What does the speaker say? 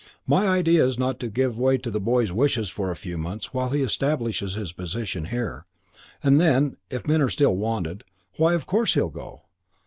My idea is not to give way to the boy's wishes for a few months while he establishes his position here, and then, if men are still wanted, why of course he'll go.